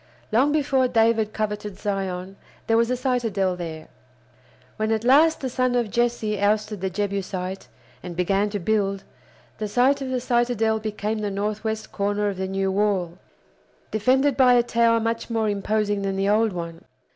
Long before David coveted Zion there was a citadel there. When at last the son of Jesse ousted the Jebusite, and began to build, the site of the citadel became the northwest corner of the new wall, defended by a tower much more imposing than the old one.